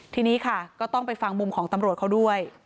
ทีนี้ค่ะก็ต้องไปฟังมุมของตำรวจเขาด้วย